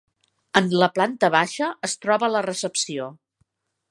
En la planta baixa es troba la recepció.